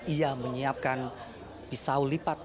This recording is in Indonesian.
ia menyiapkan pisau lipat